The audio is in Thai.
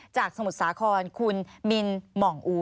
จากสมุทรสาครคุณมินหมองอู